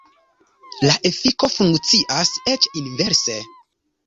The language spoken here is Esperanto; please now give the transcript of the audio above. La efiko funkcias eĉ inverse.